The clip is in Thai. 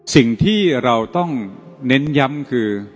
สิ่งที่เราต้องเน้นย้ำคือ